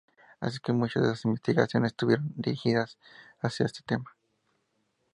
Así que muchas de sus investigaciones estuvieron dirigidas hacia este tema.